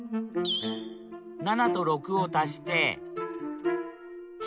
７と６を足して１３。